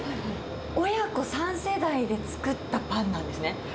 親子３世代で作ったパンなんですね。